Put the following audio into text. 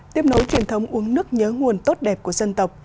tiếp nối truyền thống uống nước nhớ nguồn tốt đẹp của dân tộc